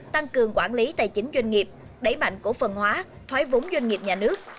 tăng cường quản lý tài chính doanh nghiệp đẩy mạnh cổ phần hóa thoái vốn doanh nghiệp nhà nước